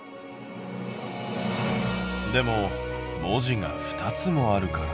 でも文字が２つもあるから。